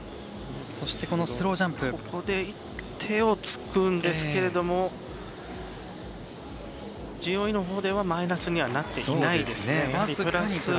スロージャンプのところで手をつくんですけれどもＧＯＥのほうではマイナスになってないですね。